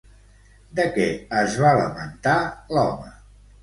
De què es va lamentar l'home?